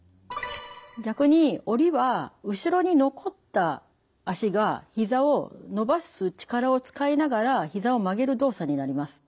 逆に下りは後ろに残った脚がひざを伸ばす力を使いながらひざを曲げる動作になります。